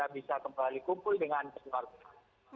bisa kembali kumpul dengan keluarga